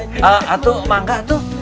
ee atu mangka atu